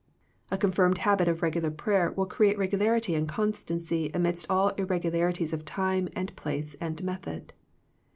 A confirmed habit of regular prayer will create regularity and constancy amidst all irregularities of time and place and method.